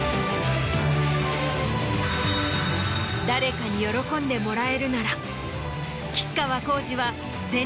誰かに喜んでもらえるなら。